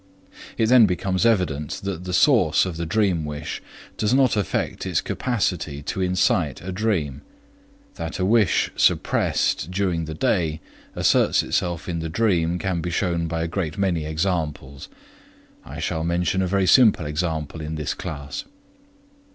It then becomes evident that the source of the dream wish does not affect its capacity to incite a dream. That a wish suppressed during the day asserts itself in the dream can be shown by a great many examples. I shall mention a very simple example of this class.